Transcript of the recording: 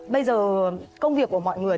bây giờ công việc của mọi người